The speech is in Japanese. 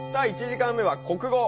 １時間目は国語。